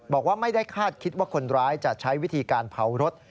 บอกว่าไม่ได้คาดคิดว่าคนร้ายจะใช้วิธีการเผารถ